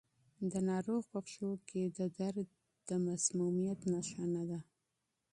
د ناروغ په پښو کې درد د مسمومیت نښه نه ده.